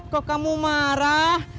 kok kamu marah